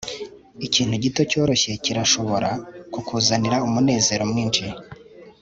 ikintu gito cyoroshye kirashobora kukuzanira umunezero mwinshi